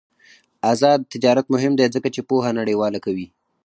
آزاد تجارت مهم دی ځکه چې پوهه نړیواله کوي.